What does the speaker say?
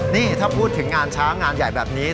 นี่ถ้าพูดถึงงานช้างงานใหญ่แบบนี้